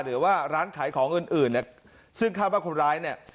หรือว่าร้านขายของอื่นอื่นเนี่ยซึ่งคาดว่าคนร้ายเนี่ย